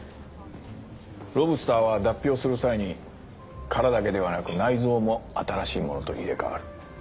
ロブスターは脱皮をする際に殻だけではなく内臓も新しいものと入れ替わる。